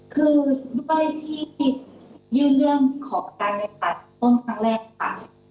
คือที่ยื่นเรื่องขอประกันในสารชั้นต้นครั้งแรกค่ะ